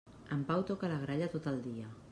En Pau toca la gralla tot el dia.